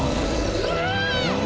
うわ！